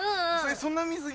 そんな水着？